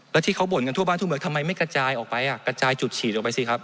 แล้วที่เขาบ่นกันทั่วบ้านทั่วเมืองทำไมไม่กระจายออกไปกระจายจุดฉีดออกไปสิครับ